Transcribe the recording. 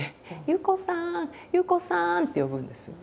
「憂子さん憂子さん」って呼ぶんです。